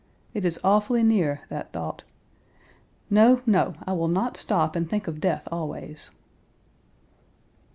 It is awfully near, that thought. No, no. I will not stop and think of death always."